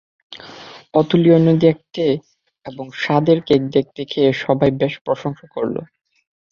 অতুলনীয় দেখতে এবং স্বাদের কেক দেখে খেয়ে সব্বাই বেশ প্রশংসা করল।